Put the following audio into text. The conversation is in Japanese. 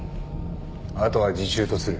あとは自習とする。